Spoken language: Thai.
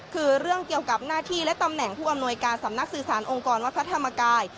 คือเรื่องเกี่ยวกับหน้าที่และตำแหน่งผู้อำนวยการสำนักสื่อสารองค์กรวัดพระธรรมกาย